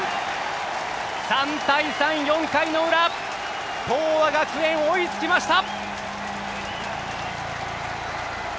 ３対３、４回の裏東亜学園、追いつきました。